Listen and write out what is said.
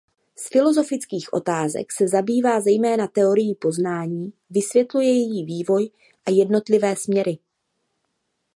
Z filosofických otázek se zabývá zejména teorii poznání vysvětluje její vývoj a jednotlivé směry.